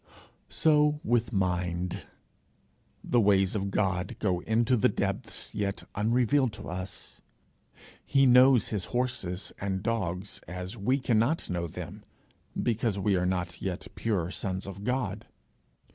So with mind; the ways of God go into the depths yet unrevealed to us; he knows his horses and dogs as we cannot know them, because we are not yet pure sons of God.